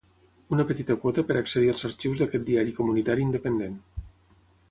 Una petita quota per accedir als arxius d'aquest diari comunitari independent.